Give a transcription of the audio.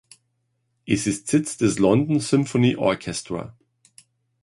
Es ist Sitz des London Symphony Orchestra.